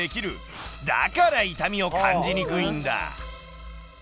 だから痛みを感じにくいんだ。